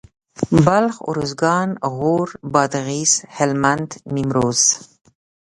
بلخ اروزګان غور بادغيس هلمند نيمروز